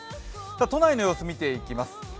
都内の様子を見ていきます。